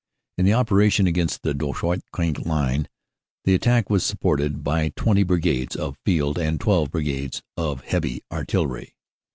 In the operation against the Drocourt Queant line the attack was supported by 20 Brigades of Field and 12 Brigades of Heavy Artillery.)